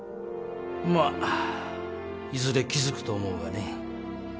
まあいずれ気づくと思うがね